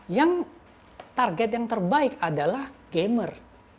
yang target yang terbaik adalah gamer